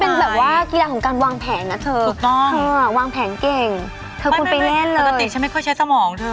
เป็นแบบว่ากีฬาของการวางแผนนะเธอเธอควรไปเล่นเลยไม่ปกติฉันไม่ค่อยใช้สมองเธอ